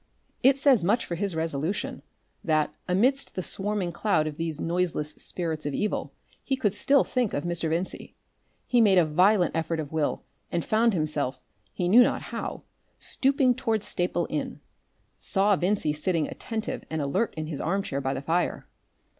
It says much for his resolution that, amidst the swarming cloud of these noiseless spirits of evil, he could still think of Mr. Vincey. He made a violent effort of will and found himself, he knew not how, stooping towards Staple Inn, saw Vincey sitting attentive and alert in his arm chair by the fire.